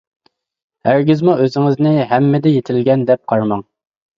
ھەرگىزمۇ ئۆزىڭىزنى ھەممىدە يېتىلگەن دەپ قارىماڭ.